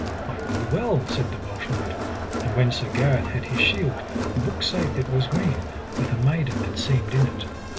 I will well, said the Welsh knight. And when Sir Gareth had his shield, the book saith it was green, with a maiden that seemed in it.